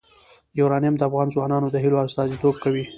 یورانیم د افغان ځوانانو د هیلو استازیتوب کوي.